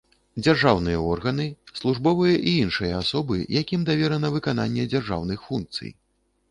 Дзяржаўныя органы, службовыя і іншыя асобы, якім даверана выкананне дзяржаўных функцый.